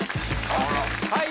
はい